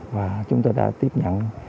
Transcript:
và chúng tôi đã tiếp nhận